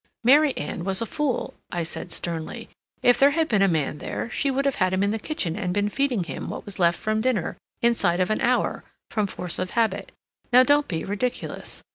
"Mary Anne was a fool," I said sternly. "If there had been a man there, she would have had him in the kitchen and been feeding him what was left from dinner, inside of an hour, from force of habit. Now don't be ridiculous.